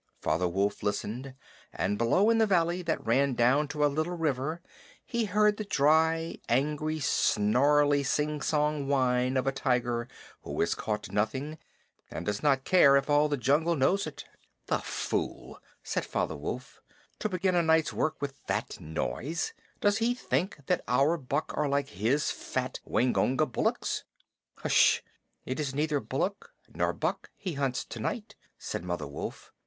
Father Wolf listened, and below in the valley that ran down to a little river he heard the dry, angry, snarly, singsong whine of a tiger who has caught nothing and does not care if all the jungle knows it. "The fool!" said Father Wolf. "To begin a night's work with that noise! Does he think that our buck are like his fat Waingunga bullocks?" "H'sh. It is neither bullock nor buck he hunts to night," said Mother Wolf.